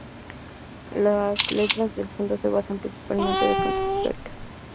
Las letras del grupo se basan, principalmente, de fuentes históricas.